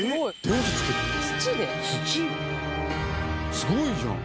すごいじゃん。